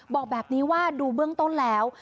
บอกแบบนี้ว่าดูเบื้องต้นแล้ว